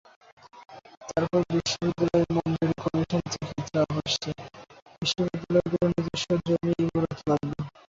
তারপরও বিশ্ববিদ্যালয় মঞ্জুরি কমিশন থেকে চাপ আসছে, বিশ্ববিদ্যালয়গুলোর নিজস্ব জমি, ইমারত লাগবে।